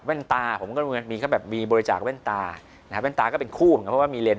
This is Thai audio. ตาผมก็มีเขาแบบมีบริจาคแว่นตานะครับแว่นตาก็เป็นคู่เหมือนกันเพราะว่ามีเรียน